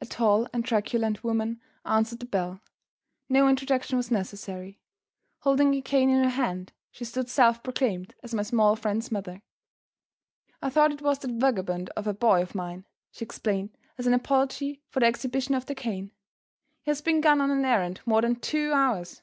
A tall and truculent woman answered the bell. No introduction was necessary. Holding a cane in her hand, she stood self proclaimed as my small friend's mother. "I thought it was that vagabond of a boy of mine," she explained, as an apology for the exhibition of the cane. "He has been gone on an errand more than two hours.